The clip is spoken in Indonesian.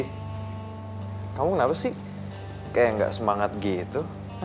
hai kamu enggak sih kayak nggak semangat gitu